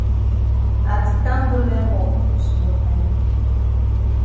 I di kam go learn wok small time.